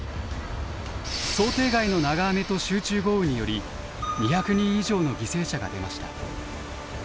想定外の長雨と集中豪雨により２００人以上の犠牲者が出ました。